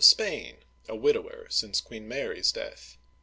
of Spain, a widower since Queen Mary's death.